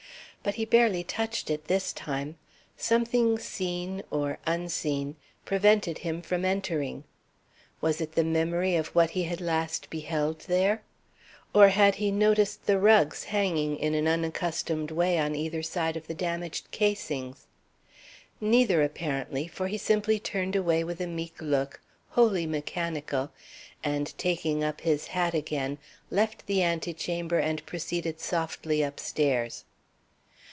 But he barely touched it this time. Something seen, or unseen, prevented him from entering. Was it the memory of what he had last beheld there? Or had he noticed the rugs hanging in an unaccustomed way on either side of the damaged casings? Neither, apparently, for he simply turned away with a meek look, wholly mechanical, and taking up his hat again, left the antechamber and proceeded softly upstairs.